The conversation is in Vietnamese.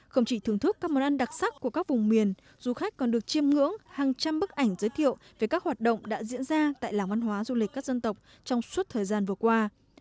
không chỉ thưởng thức các món ăn đặc sắc của các vùng miền du khách còn được chiêm ngưỡng hàng trăm bức ảnh giới thiệu về các hoạt động đã diễn ra tại làng văn hóa du lịch các dân tộc trong suốt thời gian vừa qua